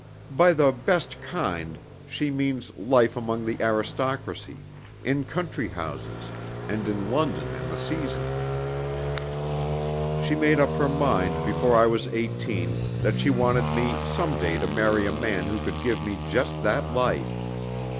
By the 'best kind,' she means life among the aristocracy, in country houses, and in London in the season. She made up her mind before I was eighteen that she wanted me some day to marry a man who could give me just that life.